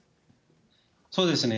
そうですね。